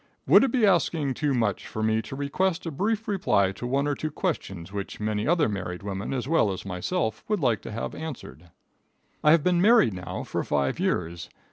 ] Would it be asking too much for me to request a brief reply to one or two questions which many other married women as well as myself would like to have answered? I have been married now for five years.